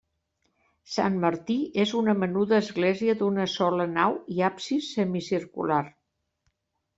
Sant Martí és una menuda església d'una sola nau i absis semicircular.